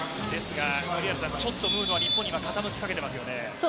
ちょっとムードは日本に傾きかけていますよね。